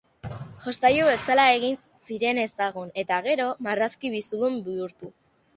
Jostailu bezala egin ziren ezagun eta gero, marrazki bizidun bihurtu.